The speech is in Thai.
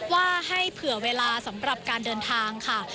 ว่าให้เผื่อเวลาสำหรับการเดินทางค่ะ